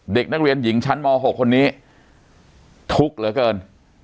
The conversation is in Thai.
เด็กนักเรียนหญิงชั้นม๖คนนี้ทุกข์เหลือเกิน